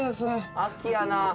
秋やな。